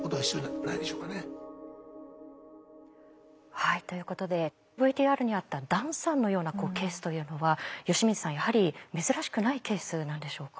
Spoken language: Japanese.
はいということでＶＴＲにあったダンさんのようなケースというのは吉水さんやはり珍しくないケースなんでしょうか？